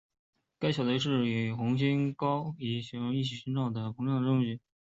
该小队与高红移超新星搜寻队一起找到了宇宙加速膨胀的证据。